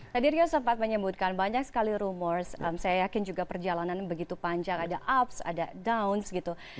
tadi rio sempat menyebutkan banyak sekali rumor saya yakin juga perjalanan begitu panjang ada ups ada downs gitu